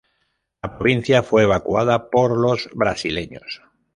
La provincia fue evacuada por los brasileños.